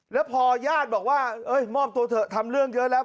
แล้วพอญาติบอกว่ามอบตัวเถอะทำเรื่องเยอะแล้ว